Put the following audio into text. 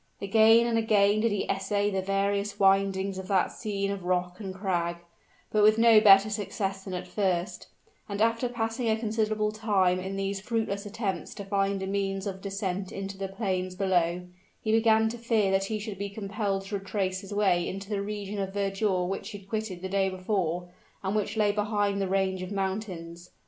Again and again did he essay the various windings of that scene of rock and crag: but with no better success than at first; and after passing a considerable time in these fruitless attempts to find a means of descent into the plains below, he began to fear that he should be compelled to retrace his way into the region of verdure which he had quitted the day before, and which lay behind the range of mountains.